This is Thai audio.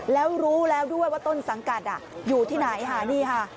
แล้วรู้แล้วด้วยว่าต้นสังกัดอยู่ที่ไหนค่ะนี่ค่ะ